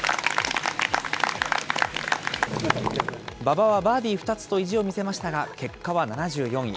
馬場はバーディー２つと意地を見せましたが、結果は７４位。